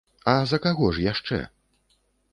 А за каго ж яшчэ?!